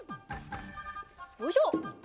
よいしょ。